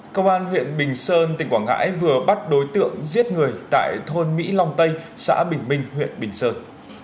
công an huyện bình sơn tỉnh quảng ngãi vừa bắt đối tượng giết người tại thôn mỹ long tây xã bình minh huyện bình sơn